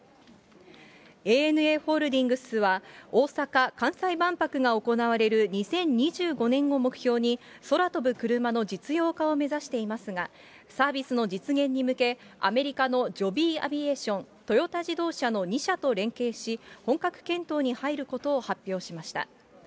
ＡＮＡホールディングスは、大阪・関西万博が行われる２０２５年を目標に、空飛ぶクルマの実用化を目指していますが、サービスの実現に向け、アメリカのジョビー・アビエーション、トヨタ自動車の２社と連携し、本格検討に入ることを発表しました。